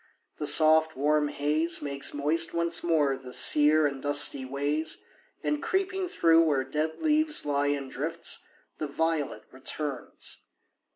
The soft, warm haze Makes moist once more the sere and dusty ways, And, creeping through where dead leaves lie in drifts, The violet returns.